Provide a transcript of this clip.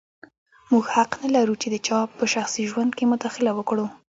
موږ حق نه لرو چې د یو چا په شخصي ژوند کې مداخله وکړو.